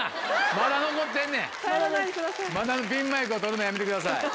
まだピンマイクを取るのやめてください。